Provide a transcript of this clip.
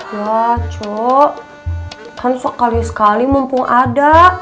wah cu kan sekali sekali mumpung ada